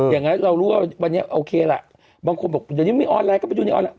อย่างนั้นเรารู้ว่าวันนี้โอเคล่ะบางคนบอกเดี๋ยวนี้มีออนไลน์ก็ไปดูในออนไลน